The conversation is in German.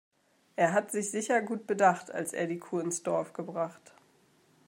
Er hat sich sicher gut bedacht, als er die Kuh ins Dorf gebracht.